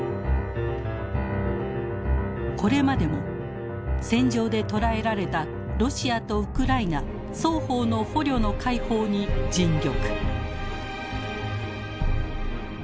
これまでも戦場で捕らえられたロシアとウクライナ双方の捕虜の解放に尽力。